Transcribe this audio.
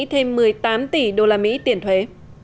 thêm một mươi tám tỷ usd tiền thuế